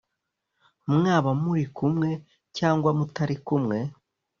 mwaba muri kumwe cyangwa mutari kumwe